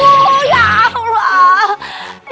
aduh ya allah